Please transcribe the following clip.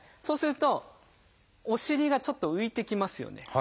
そうするとお尻がちょっと浮いてきますよね。